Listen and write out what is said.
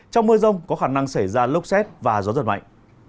trong mưa rông có khả năng xảy ra lốc xét và gió giật mạnh